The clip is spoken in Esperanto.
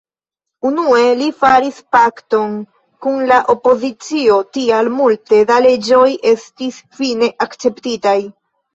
Unue li faris pakton kun la opozicio, tial multe da leĝoj estis fine akceptitaj.